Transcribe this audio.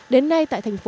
đến nay tại thành phố